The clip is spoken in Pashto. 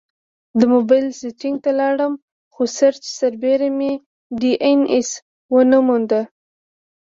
د مبایل سیټینګ ته لاړم، خو سرچ سربیره مې ډي این ایس ونه موند